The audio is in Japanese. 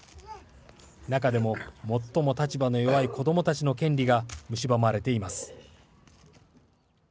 中でも、最も立場の弱い子どもたちの権利がむしばまれています。